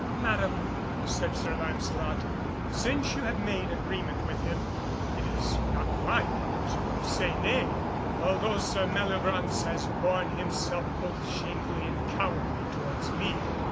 "Madam," said Sir Lancelot, "since you have made agreement with him, it is not my part to say nay, although Sir Meliagraunce has borne himself both shamefully and cowardly towards me.